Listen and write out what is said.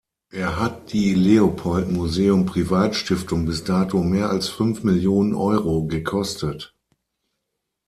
Er hat die Leopold Museum Privatstiftung bis dato mehr als fünf Millionen Euro gekostet.